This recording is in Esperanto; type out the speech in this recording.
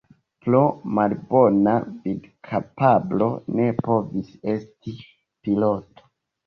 Pro malbona vidkapablo ne povis esti piloto.